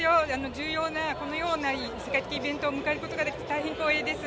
重要な、このような世界的なイベントを迎えることができて大変光栄です。